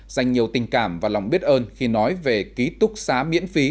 dành nhiều tình cảm và lòng biết ơn khi nói về ký túc xá miễn phí